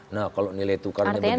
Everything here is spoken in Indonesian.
nah kalau nilai tukarnya begini terus